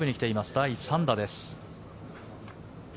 第３打です。